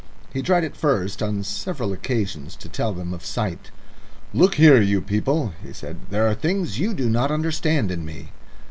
He tried at first on several occasions to tell them of sight. "Look you here, you people," he said. "There are things you do not understand in me."